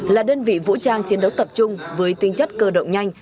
là đơn vị vũ trang chiến đấu tập trung với tinh chất cơ động nhanh